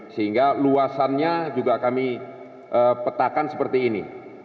sehingga luasannya juga kami petakan seperti ini